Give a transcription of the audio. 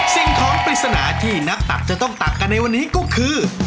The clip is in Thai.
สิ่งของปริศนาที่นักตักจะต้องตักกันในวันนี้ก็คือ